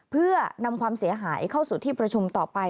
เพื่อนำความเสียหายเข้าสู่ที่ประชุมต่อไป